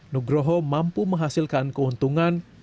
nugroho mampu menghasilkan keuntungan